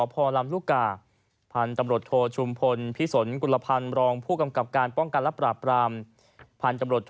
พิสนพกปวงกันและปลาบปร่าม